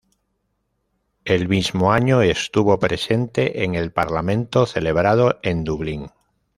El mismo año estuvo presente en el parlamento celebrado en Dublín.